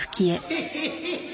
ヘヘヘヘ。